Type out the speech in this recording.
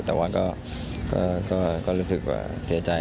แต่ว่าก็รู้สึกว่าเสียใจ